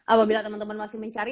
apabila teman teman masih mencari